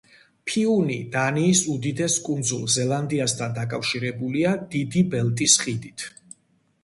ფიუნი დანიის უდიდეს კუნძულ ზელანდიასთან დაკავშირებულია დიდი ბელტის ხიდით.